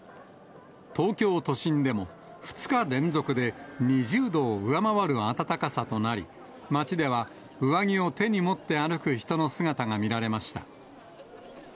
東京都心でも２日連続で２０度を上回る暖かさとなり、街では上着を手に持って歩く人の姿が見られました。